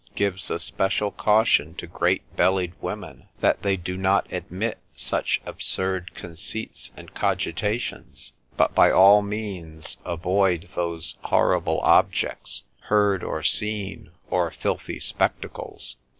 gives a special caution to great bellied women, that they do not admit such absurd conceits and cogitations, but by all means avoid those horrible objects, heard or seen, or filthy spectacles.